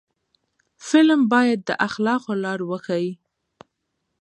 فلم باید د اخلاقو لار وښيي